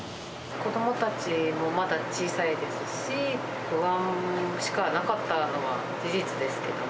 子どもたちもまだ小さいですし、不安しかなかったのは事実ですけれども。